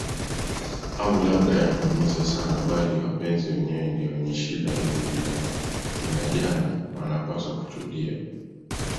au labda yanaumiza sana bali wapenzi wenyewe ndio wenye shida hivyo vinajana wanapaswa kutulia